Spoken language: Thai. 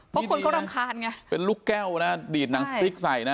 เพราะคนเขารำคาญไงเป็นลูกแก้วนะดีดหนังสติ๊กใส่นะ